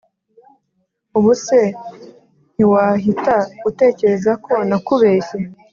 ubuse ntiwahita utekereza ko nakubeshye